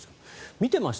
見ていました？